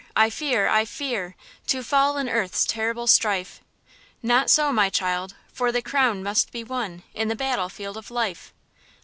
I fear, I fear To fall in earth's terrible strife!" "Not so, my child, for the crown must be won In the battle field of Life."